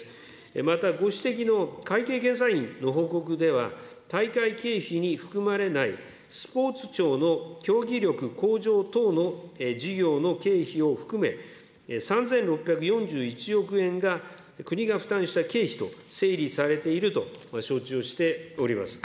また、ご指摘の会計検査院の報告では、大会経費に含まれない、スポーツ庁の競技力向上等の事業の経費を含め、３６４１億円が国が負担した経費と整理されていると承知をしております。